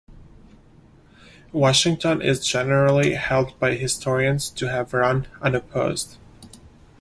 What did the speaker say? Washington is generally held by historians to have run unopposed.